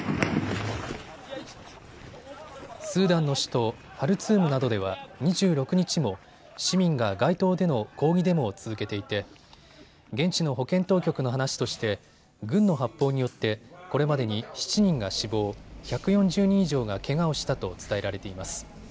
スーダンの首都ハルツームなどでは２６日も市民が街頭での抗議デモを続けていて現地の保健当局の話として軍の発砲によってこれまでに７人が死亡、１４０人以上がけがをしたと伝えられています。